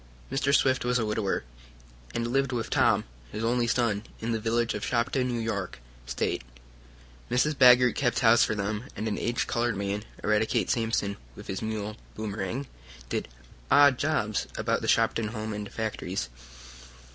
Mr. Swift was a widower, and lived with Tom, his only son, in the village of Shopton, New York State. Mrs. Baggert kept house for them, and an aged colored man, Eradicate Sampson, with his mule, Boomerang, did "odd jobs" about the Shopton home and factories.